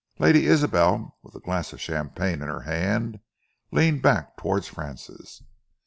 Lady Isabel, with a glass of champagne in her hand, leaned back towards Francis.